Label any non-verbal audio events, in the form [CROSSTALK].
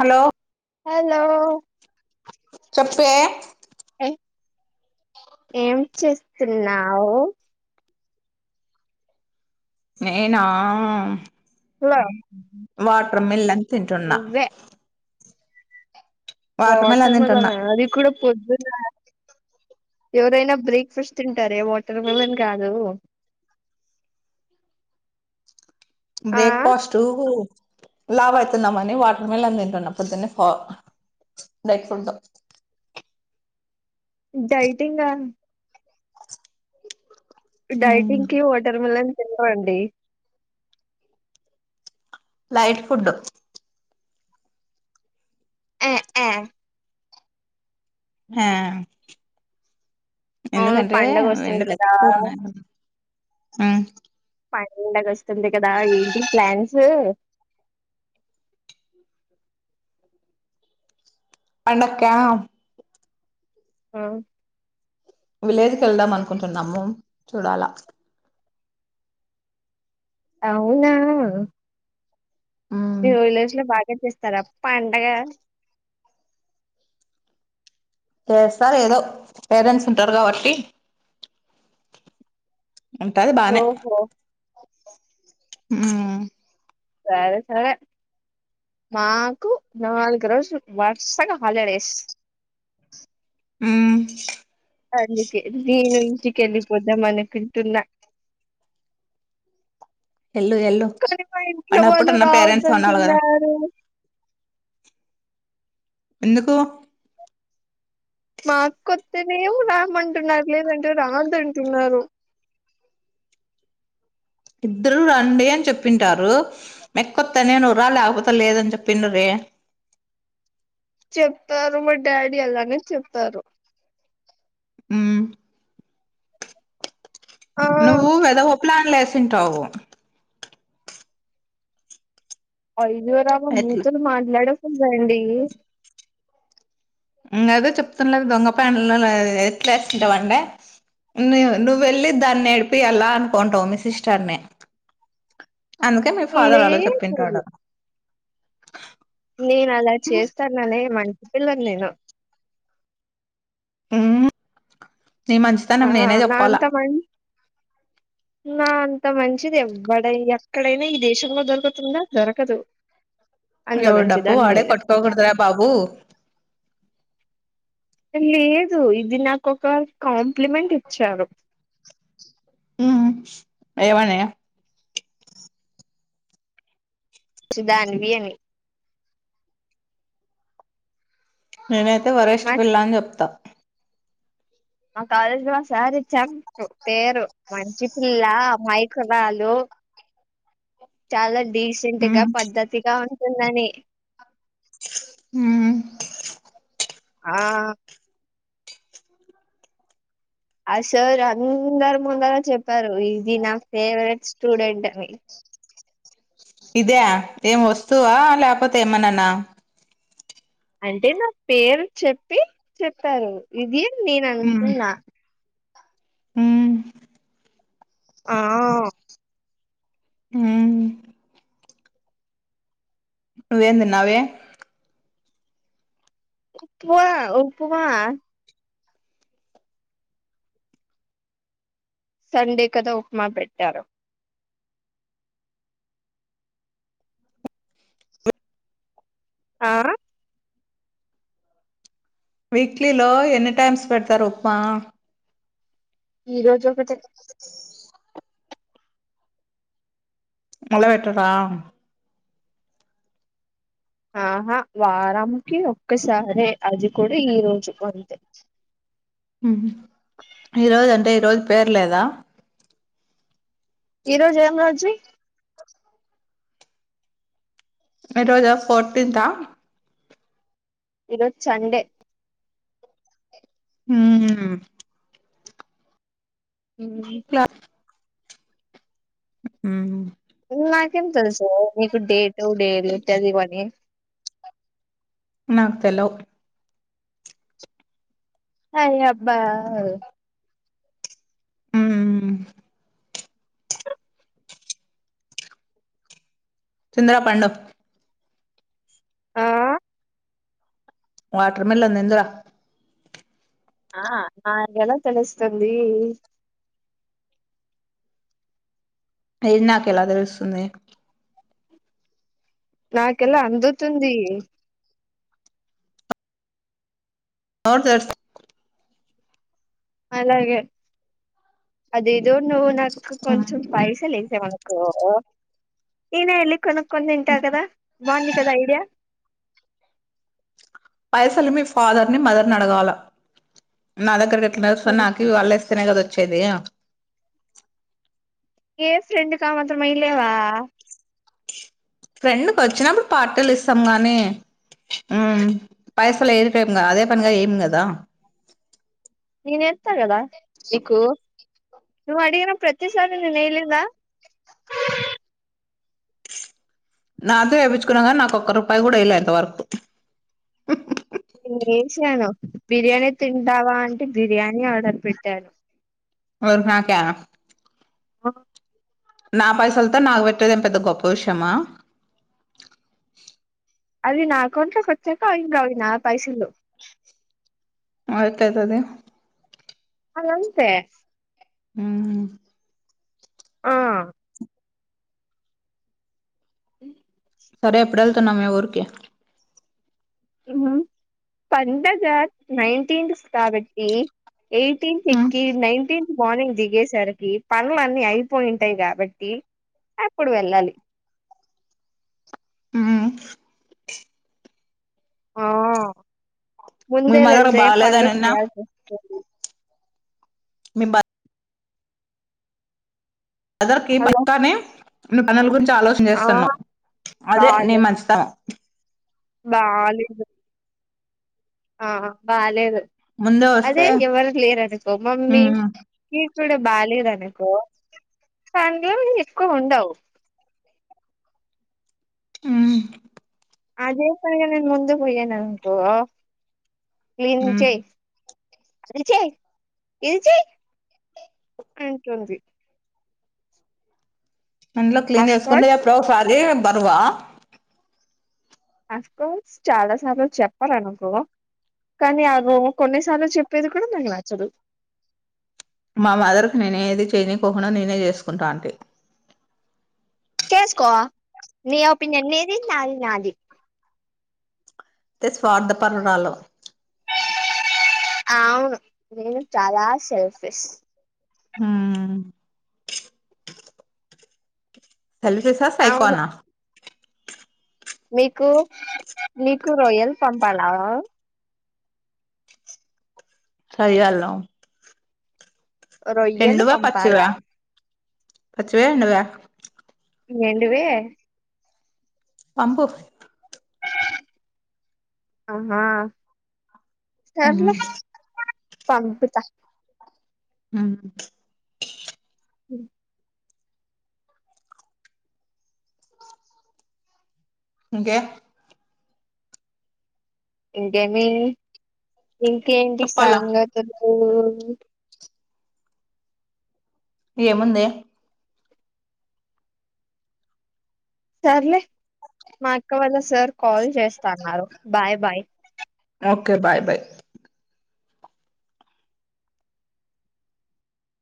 Hello hello చెప్పే ఏం చేస్తున్నావు. నేనా అమ్ మ్ వాటర్ మిలాన్. తింటున్నా వాటర్ మిలన్ తింటున్నా మిలనా అది కూడా పొద్దు. ఎవరైనా బ్రేక్ఫాస్ట్ తింటారే వాటర్ మిలన్ కాదు. ఆ బ్రేక్ఫాస్ట్. లావు అవుతున్నామని వాటర్ మిలన్ తింటున్నా పొద్దున్న డైట్ ఫుడ్. డైటింగ్గా. డైటింగ్కి వాటర్మీలన్. ఆహ్ అండి. Light food. ఆహ్ ఆహ్ ఆహ్ అవును ఎందుకంటే పండగ వస్తుంది ఎండలు కదా ఎక్కువగా ఉన్నాయి. ఉమ్. పండగ వస్తుంది కదా ఏంటి ప్లాన్స్. పండాక్క. ఆహ్ విలేజ్ కు వెళ్దాం అనుకుంటున్నాము చూడాలా. అవునా మీ ఉమ్ విలేజ్ లో బాగా చేస్తారా పండగ చేస్తారు ఏదో పేరెంట్స్ ఉంటారు కాబట్టి. ఉంటాది బానే ఓహో ఉమ్ సరే సరే మాకు నాలుగు రోజులు వర్సగా హాలిడేస్. ఉమ్ అందుకే నేను చికెన్ వద్దమనుకుంటున్న ఎల్లు ఎల్లు కానీ మా ఇంట్లో అన్నప్పుడు వాళ్ళు అన్న పేరెంట్స్ అన్నారు కదా రావద్దంటున్నారు. ఎందుకూ? మా అక్క వత్తేనే రామంటున్నారు, లేదంటే రావద్దు అంటున్నారు. ఇద్దరూ రండి అని చెప్పింటారు మీ అక్క ఒత్తేనే నువ్వురా లేకపోతే లేదని చెప్పండరే. చెప్తారు మా డాడీ అలానే చెప్తారు. ఉమ్ ఆ నువ్వు వెదవ ప్లాన్ లేసి ఉంటావు. వయి ఎవర్రాము ఎట్లా బూతులు మాట్లాడావ్ రండి అదే చెప్తుండలేదు దొంగప్లాన్స్ ఎట్లేస్తుంటావంటే ను నువ్వు వెళ్ళి దాన్ని ఏడిపియ్యాల అనుకుంటావు మీ సిస్టర్ని. అందుకే మీ ఫాదర్ అలా లేదు చెప్పింటాడు. నేను అలా చేస్తాననేమం మంచిపిల్లని నేను ఉమ్.. నీ ఆ మంచితనం నేనే నా చెప్పాలా. అంత మం నా అంత మంచిది ఎవడ ఎక్కడైనా ఈ దేశంలో దొరుకుతుందా దొరకదు. అంత ఎవడి డప్పు మంచిదాన్ని వాడే నేను. కొట్టుకోకూడదు రా బాబు లేదు ఇది నాకు ఒకరు కాంప్లిమెంట్ ఇచ్చారు. ఉమ్ ఏవని సుదాన్వి అని [UNINTELLIGIBLE] నువ్ వరష్ట్ మా పిల్ల అని చెప్తా. మా కాలేజీ లో ఒకసారి చెం పేరు మంచి పిల్ల అమాయకురాలు చాలా డీసెంట్ గా, మ్మ్ పద్దతిగా ఉ ఉన్నానే ఉమ్ ఆ ఆ సార్ అందరు ముందర చెప్పారు ఇది నా ఫేవరెట్ స్టూడెంట్ అని. ఇదే ఏం వస్తువా లేకపోతే ఏమన్నాన్నా అంటే నా పేరు చెప్పి చెప్పారు ఇది నేను మ్మ్ అంటున్న ఆ మ్మ్ నువ్వు ఏమి తిన్నావే ఉప్మా ఉప్మా సండే కదా ఉప్మా పెట్టారు ఆ వీక్లీలో ఎన్ని టైమ్స్ పెడతారు ఉప్మా ఈరోజ్ జొ ఒకటే మల్ల పెట్టరా ఆహా వారంకి ఒక్కసారే అది కూడా ఈ రోజు అంతే పేర్లేదా ఈ రోజు ఏం రోజు ఈరోజా ఫోర్టీన్త్ ఆ ఈరోజు చండే హ్మ్మ్ ఉమ్మ్ హ్మ్మ్ నాకేం తెలుసు నీకు డేట్ డేలు తెలివని నాకు తెల్వ్ అయ్యి అబ్బా హ్మ్మ్ తింద్రా పండు ఆ వాటర్మెలన్ తిందురా ఆ నాక్ ఎలా తెలుస్తుంది అయ్యి నాకు ఎలా తెలుస్తుంది నాకెలా అందుతుంది నోరు తెరుస్ అలాగే అదేదో నువ్వు నా మ్మ్ కొంచం పైసలేె నకు ఇన వెళ్ళి కొనుక్ కొనుక్కొని తింటా కదా బాగుంది కద సైడ్యా పైసలు మీ ఫాదర్ ని మదర్ ని అడగాల నా దగ్గరకి సన్నాకకి వాళ్ళ ఇస్తేనే కద వచ్చదీ ఏ ఫ్రెండ్ కామాత్రం ఇయలేవా ఫ్రెండ్కి వచ్చినప్పుడు పార్టీలు ఇస్తాం గానీ మ్ పైసలు ఎరికంగా అదే పనిగా ఏం కదా నేన్ ఎత్తాగద ఇకు నువు అడిగనా ప్రతిసారి నేను ఏయలేదా నాతో వేపిచుకున్నా కానీ నాకు ఒక్క రూపాయి కూడా ఏయలా ఇంత వరకు శాను బిర్యానీ తింటావా అంటే బిర్యానీ ఆర్డర్ పెట్టాను ఏవర్ నాకా ఆ నా పైసలతో నాకు పెట్టేదేం పెద్ద గొప్ప విషయమా అది నా అకౌంట్ లోకి వచ్చాక ఇంకా అవి నా పైసలు అయితది అది అంతే హ్మ్మ్ ఆ సరే ఎప్పుడళ్తున్నా మీ ఊరికి పండగ నైన్టీన్త్ కాబట్టి ఎయిటీన్ ఎక్కి నైన్టీన్ మార్నింగ్ దిగేసరికి పనులు అన్నిీ అయిపోయింటాయి కాబట్టి అప్పుడు వెళ్ళాలి హ్మ్మ్ ఆ మీ ముందే మదర్ వెళ్తే పనులు బాలేదని విన్నా చేయాల్సి వస్తది మీబా మదర్ కి హలో పక్కనే అ పల్గ [UNINTELLIGIBLE] ఆలోచన ఆ చేస్తున్నాం అదే నీ బాలేదు మంచితనం బాలేదు ఆ బాలేదు ముందే అదే వస్తే ఎవరు లేరు అనుకో మమ్మీ ఉమ్ ఇప్పుడ బాలేదానుకో దాంట్లో ఎక్కువ ఉండవు హుమ్మ్ అదే సరిగా నేను ముందు పోయే నాన్కో క్లీన్ ఉమ్ చెయ్ అది చెయ్ ఇది చెయ్ అంటుంది అంట్లో క్లీన్ అఫ్ చేసుకుంటే కోర్స్ ఎప్పుడో అదే బరువా అఫ్ కోర్స్ చాలా సార్లు చెప్పారనుకో కానీ ఆగో కొన్ని సార్లు చెప్పేది కూడా నాకు నచ్చదు మా మదర్కు నేనే ఏది చేయనికోహడాో నేనే చేసుకుంటా అంటే చేసుకో నీ ఒపీనియన్ నీది నాది నాది త స్వార్థ పారురాలో అవును నేను చాలా షెల్ఫిష్ హ్మ్మ్ సెల్ఫిష్ ఆ సైకో అవును నా మీకు మీకు రొయల్ పంపాలా సహగాల్ [UNINTELLIGIBLE] రొయ్యలు పంపాలా పచ్చివా పచ్చివే అండి అవి ఎండువే పంపు ఆహా ఉమ్ సర్లే పంపుత మ్మ్ ఇంకేం ఇంకేమీ ఇంకేంటి చెప్పాలా సంగతులు ఏముంది సర్లే మా అక్క వాళ్ళ సార్ కాల్ చేస్తా అన్నారు bye bye okay bye bye